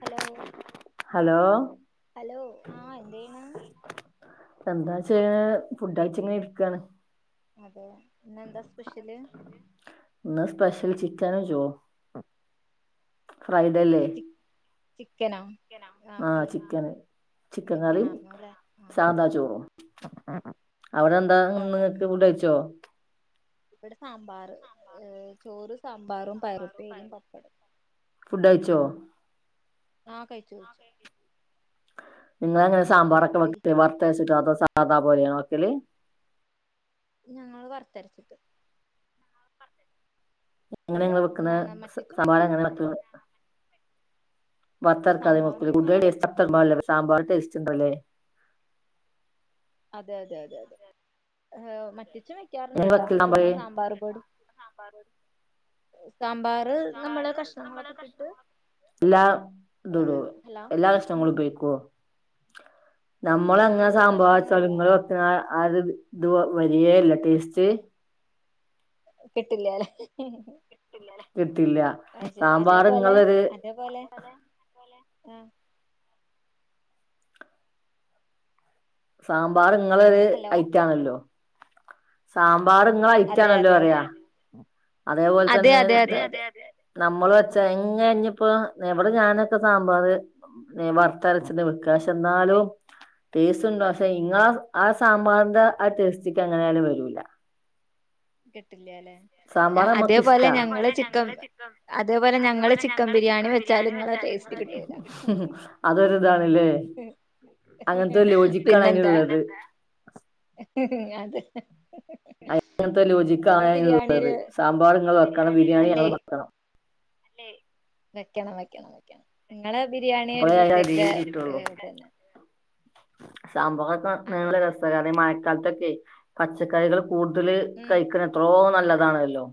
Hello hello hello ആഹ് എന്തെയ്യ്ണ് സംസാരിച് [unintelligible] ഫുഡ്ഴിച് ഇങ്ങനെ ഇരിക്കാണ് അതെ ന്ന എന്താ സ്പെഷ്യല് ഇന്ന് സ്പെഷ്യൽ ചിക്കനും ചോറും ഫ്രൈഡല്ലേ ചി ചിക്കനോ ആ ആഹ് ഫ്രൈ ചിക്കന് ചിക്കൻ കറി ചിക്കനാർന്നു അല്ലെ ആ സാദാ ചോറും അവ്ടെ എന്താന്ന് സാധാ ങ്ങക്ക് ചോറ് ഫുഡഴിച്ചോ ഇവിടെ സാമ്പാറ് ഏ ചോറ് സാമ്പാറും പയറുപ്പേരിയും പപ്പടും ഫുഡ് അയിച്ചോ ആ കഴിച്ചു കഴിച്ചു നിങ്ങളെങ്ങനെ സാമ്പാറൊക്കെ വെക്ക കഴിച്ചിട്ടിരിക്ക വർതര്ച്ചിട്ടോ അതോ സാ അതാ പോലെയാണൊ വെക്കല് ഞങ്ങളൾ വർത്തരച്ചിട്ട് എങ്ങനെങ്ങള് വെക്ണെ എന്താണ് സ് മറ്റിച്ചും സവാള വെക്കും എങ്ങനെ [unintelligible] ബർത്തരക്കാതെ സാമ്പാർ വെക്കുൽ ഞങ്ങള് [unintelligible] സാബർ ടെസ് ചിന്ത്രല്ലേ അതെ അതെ അതെ അതെ ഏ മറ്റ് വെക്കാറുണ്ട് എങ്ങനെ വെക്കല് കേട്ടോചുമ്മാ സാമ്പാറ് സാമ്പാർ പൊടി [inaudible] നമ്മള് കഷ്ണങ്ങളൊക്കെ ഇട്ടിട്ട് എല്ലാം ഇതു ഏഹ് ഇടുവോ? ഹലോ എല്ലാ ഉം കഷ്ണങ്ങളും ഉപയോഗിക്കുവോ? നമ്മള്അങ്ങനെ എല്ലാ സാമ്പാറ് വെച്ച കഷ്ണങ്ങളല്ല നിങ്ങള വെക്കണ അത് ഇത് വരികേയില്ല ടേസ്റ്റ്? കിട്ടില്ലല്ലേ? ഹ ഹ [inaudible] കിട്ടില്ല. സാമ്പാർ അതേപോലെ ഇങ്ങളൊരു ഉം സാമ്പാർ നിങ്ങളരു ഹലോ ഐറ്റം, ആണല്ലോ? സാമ്പാർ സാമ്പാർ നിങ്ങളുടെ ഐറ്റം അതെ അന്ന്എന്നല്ല അതെ അതെ പറയുവാ അതേപോലെ അതെ തന്നെ അതെ അതെ അതെ നമ്മള് വെച്ച എങ്ങനെ - ഇപ്പൊ ഇവിടെ ഞാനൊക്കെ സാമ്പറ് വർഷം അതരച്ചെന്ന് വെയ്ക്കാം എന്നാലും ടേസ്റ്റ് ഉണ്ടോ. പക്ഷെ ഇങ്ങ ആ സാമ്പാറിന്റെ ആ ടേസ്റ്റക്ക് അങ്ങനൊലും വരൂല. കിട്ടി. സാമ്പാർ നമ്മുക്ക് ഇഷ്ടാ. ചിക്കൻ അതേപോലെ ഞങ്ങള് ചിക്കൻ ബിരിയാണി വെച്ചാല് ഇങ്ങളെ ടേസ്റ്റ് കിട്ടൂല അത് ഒരു ഇതാണല്ലേ? അങ്ങനത്തെ ഒരു ലോജിക്കാണ് അതിന്നുള്ളത്. ഉം ഹു, അതെ. [unintelligible] ബിരിയാണി ലോചിക്കാള്ളത്. ഒരു സാമ്പാർ നിങ്ങൾ വെക്കണം ബിരിയാണി അല്ലേ ഞങ്ങള് വെക്കണം. വെക്കണം, വെക്കണം, വെക്കണം, ഉം. നിങ്ങളുടെ ബിരിയാണി ഒരു അപ്പോഴേ അതിന് പ്രത്യേക രീതി കിട്ടുള്ളൂ ഇതന്നെ. സംഭവമൊക്ക അതെ നല്ല രസ. കാരണം ഈ മഴ കാലത്തൊക്കെ പച്ചക്കറികള് കൂടുതൽ ഉം കഴിക്കണം. എത്രോ നല്ലതാണല്ലോ.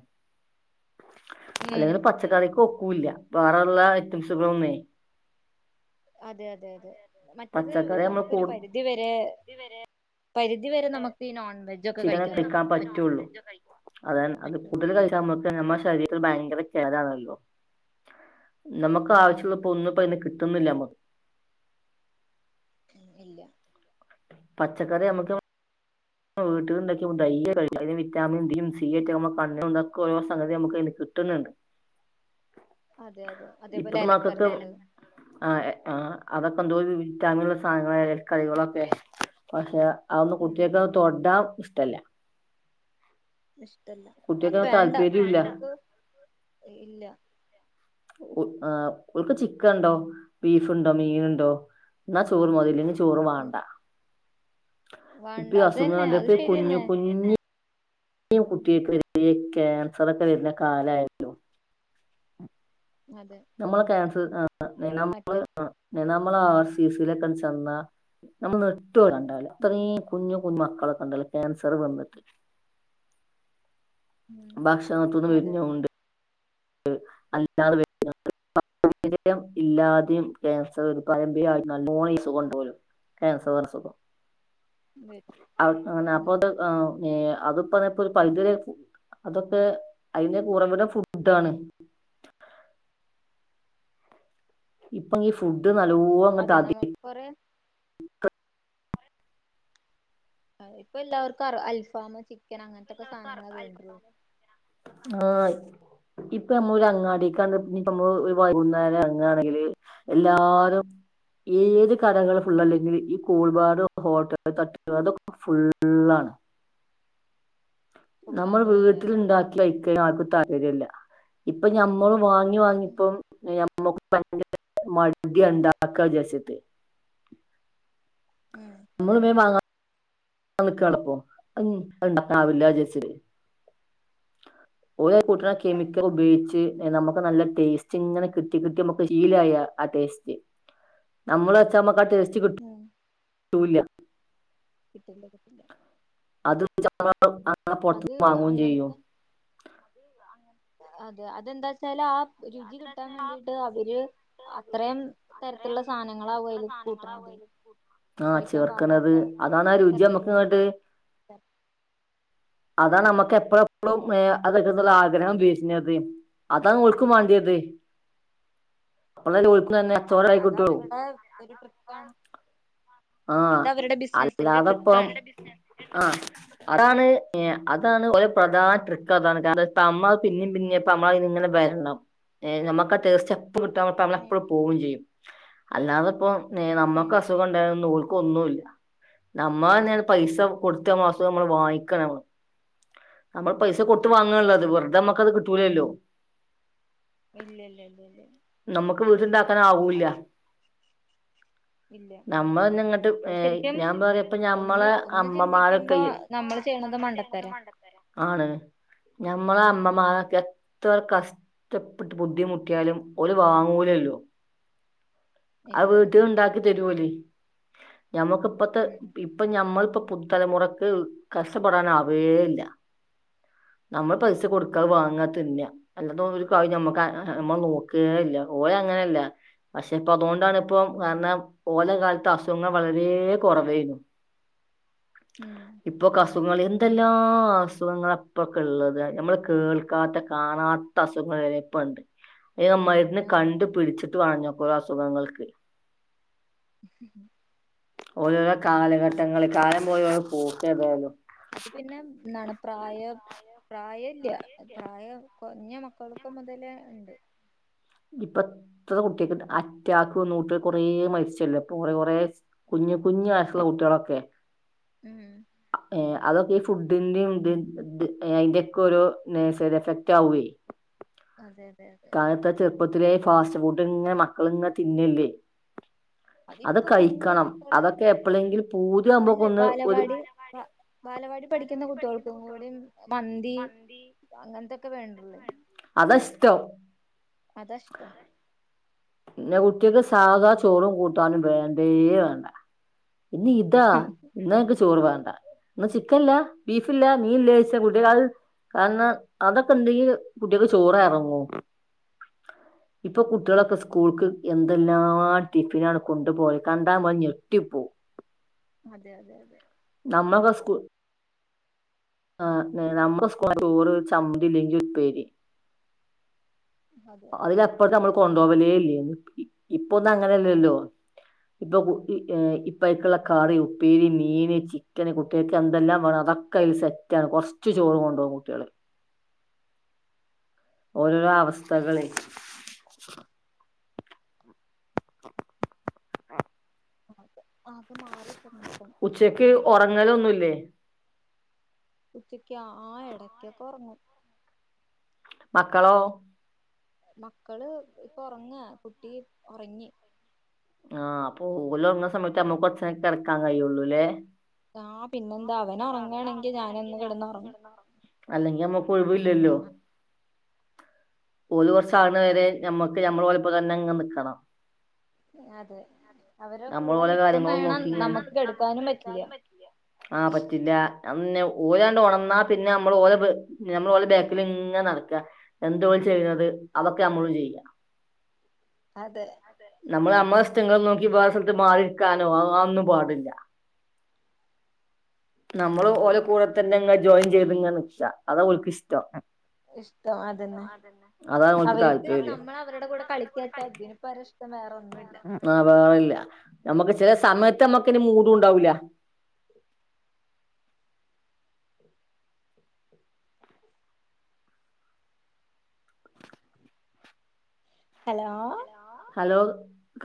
ഉം അല്ലെങ്കിൽ പച്ചക്കറിക്ക് ഒ ക്കൂല്ല വേറെള്ള ഐറ്റംസുകളൊന്നേ അതെ അതെ അതെ മറ്റത് പച്ചക്കറി നമ്മൾ കൂ നമുക്കൊരു പരിധി വരെ പരിധി വരെ നമുക്ക് ഈ നോൺ വെജ് ഒക്കെ കഴിക്കാൻ ചിലതൊക്കെ പറ്റൂ [unintelligible] അതാണ് അതി പറ്റുള്ളൂ കൂടുതൽ കഴിക്കാൻ നമുക്ക് തന്നെ നമ്മുടെ ശരീ ത്തിൽ ഭയങ്കര കേടാണല്ലോ നമുക്ക് ഉം ആവശ്യള്ളപ്പൊന്നും പ്പയിന്ന് കിട്ട് ട്ടുന്നില്ല നമുക്ക് ഉം ഇല്ല പച്ചക്കറി നമുക്ക് വീട്ടില്ണ്ടാക്കിയ ധൈര്യായി കഴിക്ക ഇതിന് വിറ്റാമിൻ ഡി യും സി യും ക്കെ ആവുമ്പോ കണ്ണിന് തൊക്കൊരോ സംഗതി നമുക്ക് അയിന്ന് കിട്ടുന്നുണ്ട് അതെ അതെ അതേപോലെ ഇപ്പത്തെ മക്കക്ക് ഇലക്കറികള് ആ എ ആ അതൊക്കെ എന്തൊരു വിറ്റാമിനുള്ള സാധനങ്ങളാ എലക്കറികളൊക്കെ പക്ഷെ അതൊന്ന് ഉം കുട്ടികൾക്കത് തൊടാ ഇഷ്ടല്ല ഇഷ്ടല്ല അത് കുട്ടികൾക്ക് വേണ്ട താല്പര്യൂല്ല മക്കൾക്ക് ഇല്ല ഓ ആ ഓൽക്ക് ചിക്കണ്ടോ ബീഫുണ്ടോ മീനുണ്ടോ ന്നാ ചോറ് മതി ഇല്ലെങ്കി ച് തോറ് ഉം മാണ്ട ഇപ്പ വേണ്ട ഈ അത് തന്നെ അസുഖാണ്ട് അത് പ്പയി കുഞ്ഞ് ശരിയന്നെ കുഞ്ഞി ഇനിയും കുട്ടികക്ക് ഈ കാൻസറൊക്കെ വരുന്ന കാലായല്ലോ അതെ [inaudible] നമ്മള് ക്യാൻസ് ത് ആ മറ്റേ [unintelligible] നമ്മള് ആർ സീ സി യിലൊക്കെ ചെന്നാ നമ്മള് നെട് ട്ടും കണ്ടാല് ഉം അത്രയും കുഞ്ഞു ഞ്ഞ് മക്കളൊക്കെ ഉണ്ടല്ലോ ക്യാൻസർ വന്നിട്ട് ഉം ഭക്ഷണത്തുന്ന് അതെ വെര്നോണ്ട് ഇത് അല്ലാതെ വരുന്നുണ്ട് പാരമ്പര്യം ഇല്ലാതെയും ക്യാൻസർ വരും പാരമ്പര്യായിട്ട് നല്ലോണം ഈ സുഖണ്ടോല് ക്യാൻസർ എന്നസുഖം വരും [unintelligible] അപ്പൊ ഉം ത് ആ നേ അതും പ്പറയപ്പൊരു പൈതല് ഫു അതൊക്കെ അയിന്റൊക്കെ ഉറവിടം ഫുട് ഡാണ് ഇപ്പൊ ഈ ഫുഡ് ഇത് നല്ലോണം ങ്ങ്ട്ട് അതെ നമുക്ക് അധികരിച്ചിട്ട് കൊറെ അതെ ഇപ്പൊ എല്ലാവർക്കും അൽഫാമും ചിക് ആ ഇപ്പൊ നമ്മള് ഒരു അങ്ങാടിക്കണ്ട്ഇനി പ്പമ്മള് വൈകുന്നേരം എറങ്ങാണെങ്കില് എല്ലാരും ഏത് കടകള് ഫുള്ളല്ലെങ്കില് ഈ കൂൾ ബാറ് ഹോട്ടല് തട്ടതൊക്കെ ഫുള്ളാണ് ഫുൾ നമ്മൾ അതെ അതെ വീട്ടില് അതെ അതെ ണ്ടാക്കി കഴിക്കല് ആർക്കും താല്പര്യല്ല. ഇപ്പ ഞാ നമ്മള് വാങ്ങി ഉം ഉം വാങ്ങിപ്പോ [unintelligible] മടിയ ണ്ടാക്ക വിചാരിച്ചിട്ട് ഉം നമ്മള് വേ വാങ്ങ [unintelligible] ണ്ടാക്കാൻ ആവില്ല വിചാരിച്ചിട്ട് ഓരാ കൂട്ടണ കെമിക്കൽ ഉപയോഗിച്ച് നമുക്ക് നല്ല ടേസ്റ്റ് ഇങ്ങനെ കിട്ടി കിട്ടി നമക്ക് ശീലായ ആ ടേസ്റ്റ്. നമ്മൾ വെച്ചാ നമക്ക് ആ ടെസ്റ്റ്. ഉം തൂല കിട്ടേന്റെ കിട്ടില്ല അത് അ അത് പൊറത്തൂന്ന് വാങ്ങും അങ്ങനത്തെ ചെയ്യും അതെ അതെന്താ വച്ചാല് ആ രുചി കിട്ടാൻ വേണ്ടിട്ട് അവര് അത്രയും തരത്തിലുള്ള സാധനങ്ങളാവും അതില് കൂട്ടണത് ആ കഴിക്കാൻ പാടാത്ത ചേർക്കുന്നത് അതാണ് ആ രുചിയ നമ്മുക്ക് തരത്തിലുള്ള അങ്ങോട്ട് അതാന്നമ്മക്ക് എപ്പോള്പ്പോളും അത് [unintelligible] ന്നുള്ള ആഗ്രഹം വേര്ന്നത് അതാണ് ഓൽക്കും വാണ്ടിയത് [unintelligible] അതെ കച്ചോടായി കിട്ടുള്ളൂ അതവരുടെ ഒരു ട്രിക്കാണ് ആഹ് അത് അവരുടെ ബിസിനസിന്റെ അല്ലാതെ ഇപ്പം ട്രിക്കാണ് ആഹ് അതാണ് ക്ക് അതാണ് ഒര് പ്രധാന ട്രിക്ക് അതാണ് കാരണം [unintelligible] പിന്നെയും പിന്നെയും ഇപ്പ [unintelligible] ഇങ്ങനെ വരണം നമുക്കാ ടേസ്റ്റ് കിട്ടാ നമ്മളെപ്പോഴും പോവേം ചെയ്യും അല്ലാതപ്പോം നമുക്ക് ഉം അസുഖം ഒണ്ട ക്കൊന്നൂല്ല നമ്മ തന്നെയാണ് പൈസ കൊടുത്തമാസം നമ്മള് വാങ്ങിക്കണ് നമ്മള് പൈസ കൊട്ത്ത് ഉം സത്യം വാങ്ങാള്ള്ത് വെറ്തെ നമ്മക്ക് അത് കിട്ടൂലല്ലോ ഇല്ല ഇല്ല ഇല്ല ഇല്ല നമുക്ക് വീട്ടുണ്ടാക്കാൻ ആവൂല്ല അതെ ഇല്ല ഞാനങ്ങട്ട് അത് ഏഹ് ശരിക്കും ഞാൻ പറയാ ഇപ്പ ഒന്ന് ഞമ്മളെ ഒന്ന് ചിന്തിക്കുമ്പോ അമ്മമാരേക്കെയി നമ്മൾ നമ്മള് ചെയ്യണത് മണ്ടത്തരാ ആണ് നമ്മളെ അമ്മമാരക്കെ എത്ര കഷ്ടപ്പെട്ട് ബുദ്ധിമുട്ടിയാലും ഓര് വാങ്ങൂലല്ലോ അത് ഇല്ല ഇല്ല വീട്ടി ഇല്ല ഇണ്ടാക്കി തരുലെ ഞമ്മക്കിപ്പത്തെ ഉം ഇപ്പൊ ഞമ്മളിപ്പ പു തലമുറക്ക് കഷ്ടപ്പെടാനാവേല്ല നമ്മൾ പൈസ കൊട്ക്കാ അത് വാങ്ങാ തിന്ന അല്ലാതെ ഒര് കാര്യം ഞമ്മക്ക് മ്മളെ നോക്കേല്ല ഓല് അങ്ങനെല്ല പക്ഷെ ഇപ്പ അതോണ്ടാണ് ഇപ്പം കാരണം ഓലെ കാലത്ത് അസ് ഖങ്ങൾ വളരേ കൊറവേനി ഉം ഇപ്പൊ ക അസുഖങ്ങള് എന്തെല്ലാ അസുഖങ്ങളാ പ്പൊക്കെള്ളത് ഞമ്മള് കേൾക്കാത്ത കാണാത്ത അസുഖം വരെ പ്പണ്ട് [unintelligible] മര്ന്ന് അതെ കണ്ട് പിട്ച്ച്ട്ട് വാണഞ്ഞാെ കുറേ അസുഖങ്ങൾക്ക് [inaudible] ഓരോരോ കാലഘട്ടങ്ങളൾ കാലം പോയൊ നോക്ക് ഏതായാലും അത് പിന്നെ നട പ്രായം പ്രായല്ല പ്രായം കൊറഞ്ഞ മക്കൾക്ക് മുതലേ ണ്ട് ഇപ്പ എത്ര കുട്ട്യാക്ക്ണ്ട് അറ്റാക്ക് വന്ന് കുട്ടികൾ കൊറെ മരിച്ചല്ലോ ഇപ്പ കൊറ കൊറെ കുഞ്ഞ് കുഞ്ഞ് വയസുള്ള കുട്ട്യാളൊക്കെ ഉം ഏ അതൊക്കെ ഈ ഫുഡിന്റിംഅയ്ന്റെക്കെ ഓരോ സൈഡ് എഫക്റ്റ് ആവേ അതെ അതെ അതെ ത്ങ്ങനെ മക്കളിങ്ങ തിന്നല്ലേ അത് അതിപ്പോ കുഞ്ഞ് കഴിക്കണം മക്കള് അതൊക്കെ എപ്പളെങ്കിലും അല്ലെ പൂതിയാവുമ്പോക്കൊന്ന് ഒരു ബാലവാടി ബ- ബാലവാടി പഠിക്കുന്ന കുട്ടികൾക്കും കൂടി കുട്ട്യോൾക്കും മന്തി അങ്ങനത്തൊക്കെ വേണം അതാഷ്ടം അതാ ഇഷ്ടം പിന്നെ കുട്ട്യാക്ക് സാധാ ചോറും കൂട്ടാനും വേണ്ടേ വേണ്ട ഇനി ഇതാ ന്നാ ചോറ് വേണ്ട ചിക്കൻല്ല ബീഫില്ല മീൻല്ലേയ്ച്ച് കുട്ട്യാള് കാരണം അതൊക്കെണ്ടെങ്കി കുട്ട്യാക്ക് ചോറെർങ്ങൂ ഇപ്പൊ കുട്ട്യാളൊക്കെ സ് സ്കൂൾക്ക് എന്തെല്ലാം ടിഫിനാണ് കൊണ്ടു പോയ കണ്ടാ മ്മൾ ഞെട്ടിപ്പോ അതെ അതെ അതെ ആ നമ്മൾ സ്കൂൾക് ചോറ് ചമ്മന്തില്ലെങ്കി ഉപ്പേരി അതെ അതില [unintelligible] കൊണ്ടോവലേല്ലയ്നി ഇപ്പൊന്നും അങ്ങനെല്ലല്ലോ ഇപ്പൊ ഇപ്പക്കുള്ള കറി ഉപ്പേരി മീന് ചിക്കന് കുട്ട്യൾക്കെന്തെല്ലാം വേണം അതൊക്കെ കൊറച്ച് ചോറ് കൊണ്ടോവും കുട്ട്യാള് ഓരോരോ അവസ്ഥകളെ [unintelligible] ആ അത് മാറി ന്നിപ്പം ഉച്ചക്ക് ജീവിതം ഉറങ്ങലൊന്നുമില്ലേ ഉച്ചക്കോ ആ എടക്കൊക്കെ ഒറങ്ങും മക്കളോ മക്കള് ഇപ്പൊ ഒറങ്ങാ കുട്ടി ഒറങ്ങി ആ അപ്പൊ ഓലൊർങ്ങ്ണ സമയത്ത് നമ്മക്ക് കൊറച്ചേരം കെടക്കാൻ കയ്യൊള്ളൂലേ ആ ആ പിന്നെന്താ പിന്നെ അവൻ എന്താ ഉറങ്ങാണെങ്കിൽ അവനൊറങ്ങാണെങ്കിൽ കിടന്ന് ഞാനൊന്ന് ഉറങ്ങും കെടന്നൊറങ്ങും അല്ലെങ്കിൽ ഞമ്മക്ക് ഒഴിവില്ലല്ലോ ഓല് കൊറച്ച് ആവുന്ന വെരെ ഞമ്മക്ക് ഞമ്മള് ഓലെ കൂടെത്തന്നെ ങ്ങനെ നിക്കണം അതെ അവരെ നമ്മൾ കൂടെ ഓല നിക്കും കാര്യങ്ങളും വേണം നോക്കി നമുക്ക് കെടുക്കാനും പറ്റില്ല ആ പറ്റില്ല അ ഓലങ്ങട്ട് ഒണ ന്ന പിന്നെ നമ്മള് ഓല നമ്മള് ഓലെ ബേക്കിൽ ഇങ്ങനെ നടക്ക എന്ത ഓല് ചെയ്തത് അതൊക്കെ നമ്മളും ചെയ്യാ അതെ നമ്മൾ നമ്മ ഇഷ്ടങ്ങൾ നോക്കി വേറെ സ്ഥലത്ത് മാറിക്കാനോ അഒന്നും പാടില്ല നമ്മള് ഓലെ കൂടെ തന്നെ ജോയിൻ ചൈത്ങ്ങനെ നിക്കാ അതാ ഓൽക്കിഷ്ട്ടം ഇഷ്ടം അതന്നെ അതാണ് ഓൽക്ക് അവർക്ക് താല്പര്യം നമ്മള് അവരുടെ കൂടെ കളിക്കട്ട അതിനിപ്പരെ ഇഷ്ടം വേറെ ഒന്നുമില്ല ആഹ് വേറില്ല നമ്മുക്ക് ചില സമയത്ത് നമ്മക്ക് ഇനി മൂട് ഉണ്ടാവൂല്ല ഹലോ ഹലോ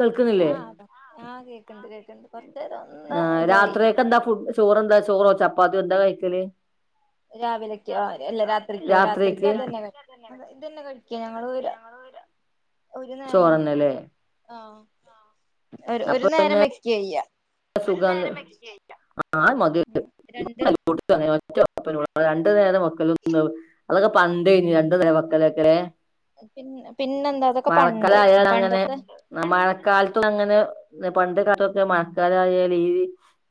കേൾക്കുന്നില്ലേ ആഹ് അതാ ആഹ് കേൾക്കണ്ട് [unintelligible] ആ രാത്രിയൊക്കെ എന്താ ഫു ചോറെന്താ ചോറോ ചപ്പ അപ്പ അത് എന്താ കഴിക്കെല് രാവിലക്കോ അല്ല രാത്രിക്കോ രാത്രിക്ക് അതെന്നെ കഴിക്ക വെക്ക. ഇതന്നെ കഴിക്ക ഞങ്ങങ്ങള് ഒരു ഒരു നേരം ചോറന്നല്ലേ ഫു ആഹ് ഒരു ഒരു നേരം വെക്കയ്യ സുഖ ആഹ് മതി രണ്ട് [unintelligible] രണ്ടു നേരം വെക്കല് ഒന്ന് അതൊക്കെ പണ്ടെയ്നി രണ്ട് നേരം വാക്കാലൊക്കെ ലേ പിന്നെ പിന്നെന്താ അതൊക്കെ പണ്ട് മഴക്കാലയാ അങ്ങനെ പണ്ടത്തെ മഴക്കാലത്ത് അങ്ങനെ പണ്ട് കാലൊക്കെ മ കാലത്ത് ഈ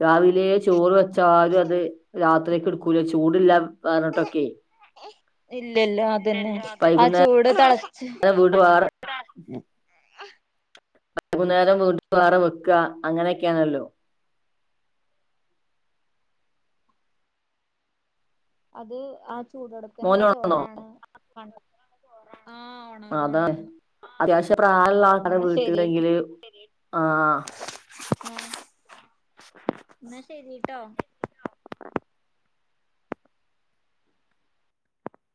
രാവിലെ ചോറ് വെച്ചാലും അത് രാത്രിക്ക് എടുക്കൂല ചൂട്ട്ല്ല പറഞ്ഞിട്ടൊക്കെ ഇല്ല ഇല്ല അതന്നെ ആ ചൂട് തണി വീട് വാറ [unintelligible] [unintelligible] വൈകുന്നേരം വീണ്ടും വാറ വെക്ക അങ്ങനെക്കാണല്ലോ അത് ആഹ് മോന് ഒണർന്നോ ആഹ് അതാണ് അത്യാവശ്യം പ്രായള്ള ആൾക്കാര് ന്നാ ശരി വീട്ടില്നെങ്കില് ആഹ് ആഹ് എന്നാ ശരി ട്ടോ